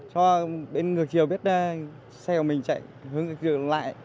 cho bên ngược chiều biết xe của mình chạy hướng ngược chiều lại